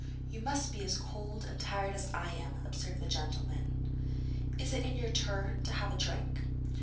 'You must be as cold and tired as I am,' observed the gentleman; 'it is your turn to have a drink.'